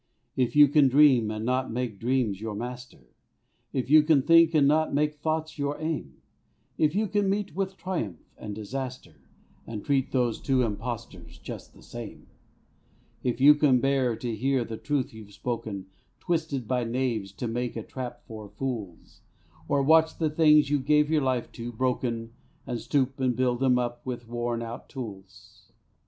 If you can dream and not make dreams your master ; If you can think and not make thoughts your aim ; If you can meet with Triumph and Disaster And treat those two impostors just the same ; If you can bear to hear the truth you've spoken Twisted by knaves to make a trap for fools, Or watch the things you gave your life to broken, And stoop and build 'em up with worn out tools.